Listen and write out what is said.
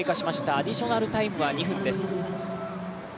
アディショナルは２分です。